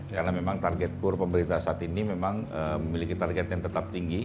karena memang target kur pemerintah saat ini memang memiliki target yang tetap tinggi